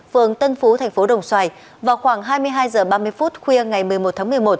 phường tân phú thành phố đồng xoài vào khoảng hai mươi hai h ba mươi phút khuya ngày một mươi một tháng một mươi một